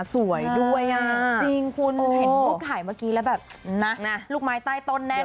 สวยด้วยอ่ะจริงคุณเห็นรูปถ่ายเมื่อกี้แล้วแบบนะลูกไม้ใต้ต้นแน่นอ